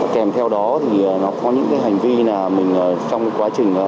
kèm theo đó thì có những hành vi trong quá trình